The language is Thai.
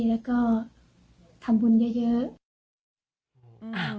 แล้วก็ทำบุญเยอะ